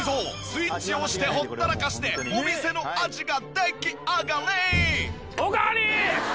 スイッチ押してほったらかしでお店の味が出来上がり！